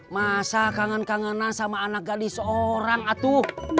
masa kangen kangenan sama anak gadis orang atuh